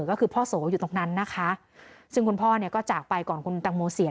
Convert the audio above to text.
ก็คือพ่อโสอยู่ตรงนั้นนะคะซึ่งคุณพ่อเนี่ยก็จากไปก่อนคุณตังโมเสีย